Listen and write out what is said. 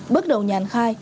bước đầu nhàn khai